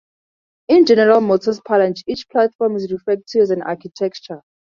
In General Motors parlance, each platform is referred to as an "architecture".